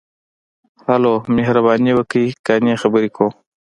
ـ هلو، مهرباني وکړئ، قانع خبرې کوم.